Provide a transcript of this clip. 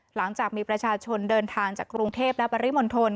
หลังจากมีประชาชนเดินทางจากกรุงเทพและปริมณฑล